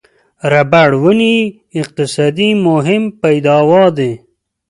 ربړ ونې یې اقتصادي مهم پیداوا دي.